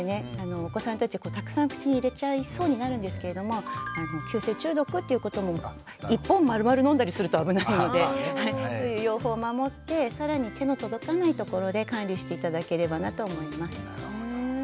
お子さんたちたくさん口に入れちゃいそうになるんですけれども急性中毒っていうことも１本まるまる飲んだりすると危ないのでそういう用法を守って更に手の届かない所で管理して頂ければなと思います。